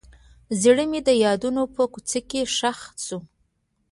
زړه مې د یادونو په کوڅو کې ښخ شو.